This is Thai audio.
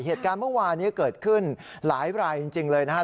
เหตุการณ์เมื่อวานี้เกิดขึ้นหลายรายจริงเลยนะครับ